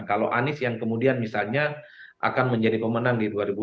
kalau anies yang kemudian misalnya akan menjadi pemenang di dua ribu dua puluh